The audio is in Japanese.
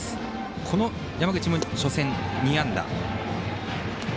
この山口も、初戦２安打。